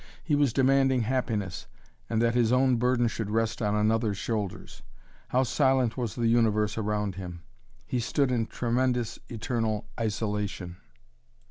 He was demanding happiness, and that his own burden should rest on another's shoulders. How silent was the universe around him! He stood in tremendous, eternal isolation.